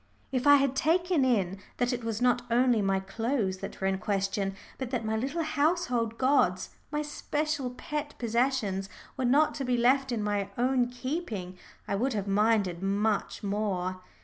If I had taken in that it was not only my clothes that were in question, but that my little household gods, my special pet possessions, were not to be left in my own keeping, I would have minded much more.